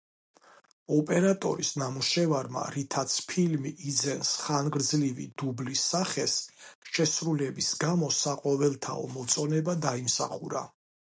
ოპერატორის ნამუშევარმა, რითაც ფილმი იძენს ხანგრძლივი დუბლის სახეს, შესრულების გამო საყოველთაო მოწონება დაიმსახურა.